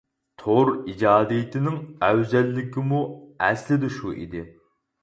تور ئىجادىيىتىنىڭ ئەۋزەللىكىمۇ ئەسلىدە شۇ ئىدى.